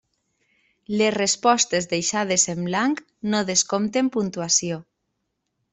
Les respostes deixades en blanc no descompten puntuació.